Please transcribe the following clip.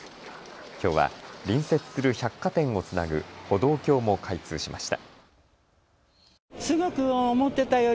きょうは隣接する百貨店をつなぐ歩道橋も開通しました。